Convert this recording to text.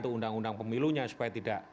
untuk undang undang pemilunya supaya tidak